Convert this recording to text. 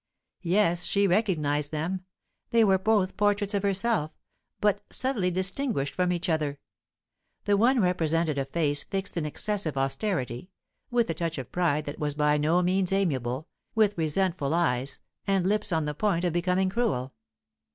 Yes, she recognized them. They were both portraits of herself, but subtly distinguished from each other. The one represented a face fixed in excessive austerity, with a touch of pride that was by no means amiable, with resentful eyes, and lips on the point of becoming cruel.